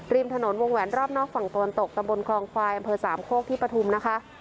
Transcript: ริมถนนวงแหวนรอบนอกฝั่งตะวันตกตะบนคลองควายอำเภอสามโคกที่ปฐุมนะคะ